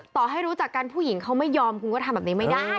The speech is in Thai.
ต่อให้รู้จักกันผู้หญิงเขาไม่ยอมคุณก็ทำแบบนี้ไม่ได้